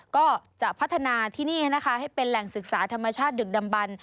ก็จะพัฒนาที่นี่นะคะให้เป็นแหล่งศึกษาธรรมชาติดึกดำบัน